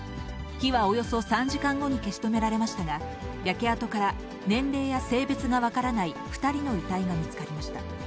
火はおよそ３時間後に消し止められましたが、焼け跡から年齢や性別が分からない２人の遺体が見つかりました。